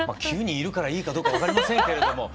９人いるからいいかどうか分かりませんけれども。